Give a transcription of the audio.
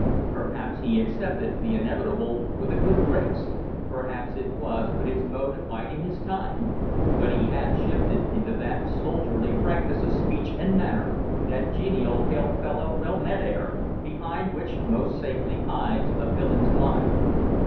Perhaps he had accepted the inevitable with a good grace; perhaps it was but his mode of biding his time; but he had shifted into that soldierly frankness of speech and manner, that genial, hail fellow well met air, behind which most safely hides a villain's mind.